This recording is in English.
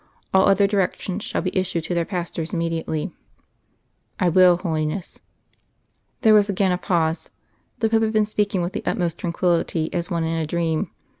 All other directions shall be issued to their pastors immediately!" "'I will, Holiness.'" There was again a pause. The Pope had been speaking with the utmost tranquillity as one in a dream.